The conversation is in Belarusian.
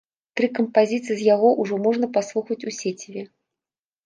Тры кампазіцыі з яго ўжо можна паслухаць у сеціве.